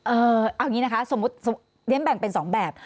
เอ่อเอางี้นะคะเด้มแบ่งเป็น๒แบบ